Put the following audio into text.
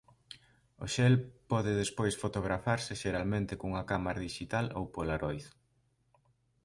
O xel pode despois fotografarse xeralmente cunha cámara dixital ou polaroid.